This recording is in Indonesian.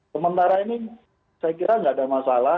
sementara ini saya kira nggak ada masalah